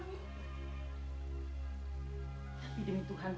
tapi demi tuhan